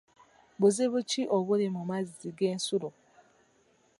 Buzibu ki obuli mu mazzi g'ensulo?